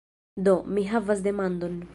Do, mi havas demandon.